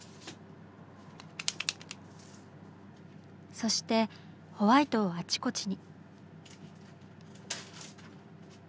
そしてホワイトをあちこちに。